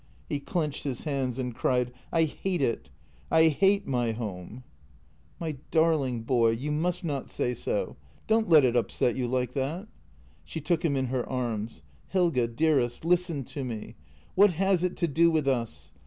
He clenched his hands and cried: "I hate it — I hate my home! " 142 JENNY " My darling boy, you must not say so. Don't let it upset you like that." She took him in her arms. " Helge, dearest, listen to me — what has it to do with us